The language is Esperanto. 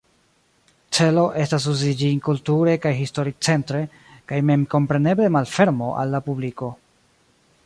Celo estas uzi ĝin kulture kaj historicentre kaj memkompreneble malfermo al la publiko.